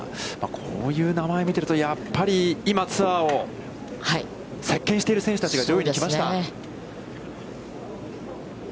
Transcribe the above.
こういう名前を見ていると、やっぱり、今、ツアーを席巻している選手たちが上位に来ました。